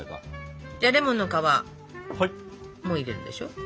じゃレモンの皮も入れるでしょ。